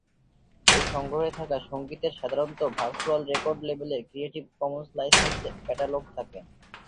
এই সংগ্রহে থাকা সংগীতের সাধারণত ভার্চুয়াল রেকর্ড লেবেলের ক্রিয়েটিভ কমন্স-লাইসেন্স ক্যাটালগ থাকে।